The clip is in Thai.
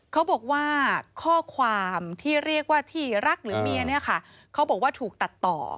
เขาบอกว่าข้อความที่เรียกว่าที่รักหรือเมียเนี่ยค่ะเขาบอกว่าถูกตัดต่อ